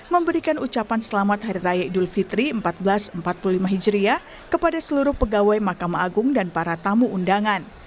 memberikan ucapan selamat hari raya idul fitri seribu empat ratus empat puluh lima hijriah kepada seluruh pegawai mahkamah agung dan para tamu undangan